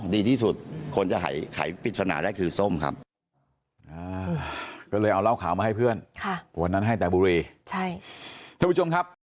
ดีที่สุดคนจะขายปิดศนาได้คือส้มครับ